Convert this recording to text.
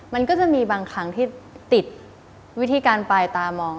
มันก็จะมีบางครั้งที่ติดวิธีการปลายตามอง